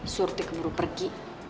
surti keburu pergi